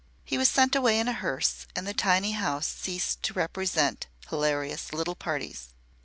He was sent away in a hearse and the tiny house ceased to represent hilarious little parties.